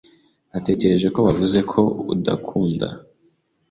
Natekereje ko wavuze ko udakunda .